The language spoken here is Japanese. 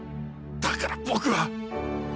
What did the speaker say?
だから僕は。